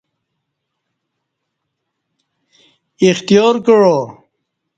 اختیار کعا